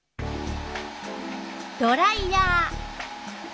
ドライヤー。